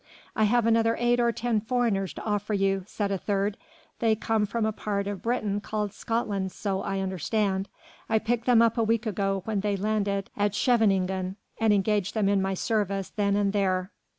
"I have another eight or ten foreigners to offer you," said a third, "they come from a part of Britain called Scotland so I understand. I picked them up a week ago when they landed at Scheveningen and engaged them in my service then and there."